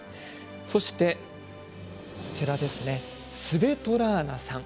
そして、こちらですねスヴェトラーナさん。